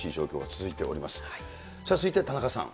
続いては田中さん。